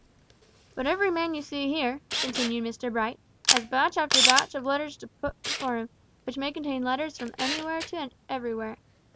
"But every man you see here," continued Mr Bright, "has batch after batch of letters put before him, which may contain letters from anywhere to everywhere.